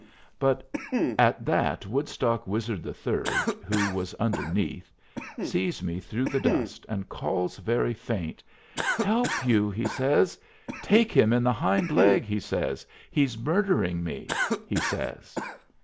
But at that Woodstock Wizard III, who was underneath, sees me through the dust, and calls very faint, "Help, you!" he says. "Take him in the hind leg," he says. "He's murdering me," he says.